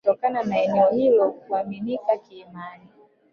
Kutokana na eneo hilo kuaminika kiimani